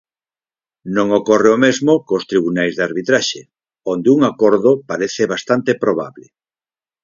Non ocorre o mesmo cos tribunais de arbitraxe, onde un acordo parece bastante probable.